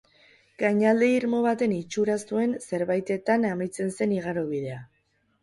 Gainalde irmo baten itxura zuen zerbaitetan amaitzen zen igarobidea.